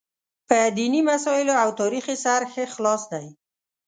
په دیني مسایلو او تاریخ یې سر ښه خلاص دی.